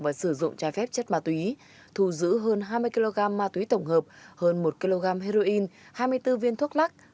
và sử dụng trái phép chất ma túy thu giữ hơn hai mươi kg ma túy tổng hợp hơn một kg heroin hai mươi bốn viên thuốc lắc